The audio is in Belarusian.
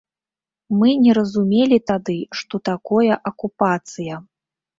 Мы не разумелі тады, што такое акупацыя.